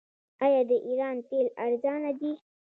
آیا د ایران تیل ارزانه دي؟